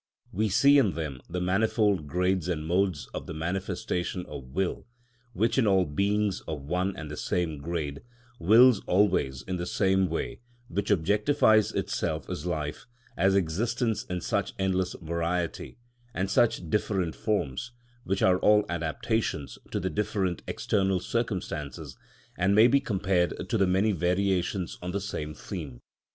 (53) We see in them the manifold grades and modes of the manifestation of will, which in all beings of one and the same grade, wills always in the same way, which objectifies itself as life, as existence in such endless variety, and such different forms, which are all adaptations to the different external circumstances, and may be compared to many variations on the same theme.